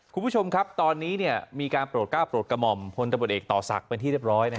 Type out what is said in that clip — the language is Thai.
คุณผู้ชมครับตอนนี้มีการโปรดก้าวโปรดกระหม่อมพลตำรวจเอกต่อศักดิ์เป็นที่เรียบร้อย